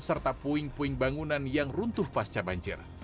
serta puing puing bangunan yang runtuh pasca banjir